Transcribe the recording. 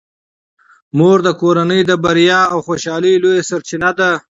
مور د کورنۍ د بریا او خوشحالۍ لویه سرچینه ده.